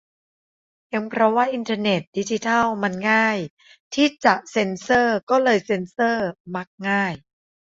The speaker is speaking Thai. เพียงเพราะว่าอินเทอร์เน็ต-ดิจิทัล มัน "ง่าย" ที่จะเซ็นเซอร์ ก็เลยเซ็นเซอร์ ?"มักง่าย"